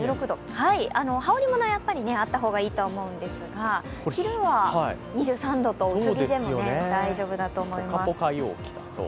羽織り物はやっぱりあった方がいいんですが昼は２３度と薄着でも大丈夫だと思います。